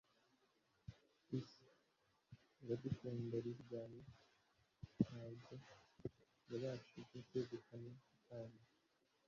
iss iradukunda liliane ntabwo yabashije kwegukana ikamba